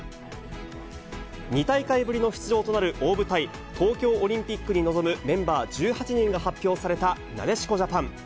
２大会ぶりの出場となる大舞台、東京オリンピックに臨むメンバー１８人が発表されたなでしこジャパン。